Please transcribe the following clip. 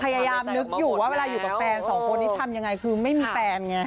พยายามนึกอยู่ว่าเวลาอยู่กับแฟนสองคนนี้ทำยังไงคือไม่มีแฟนไง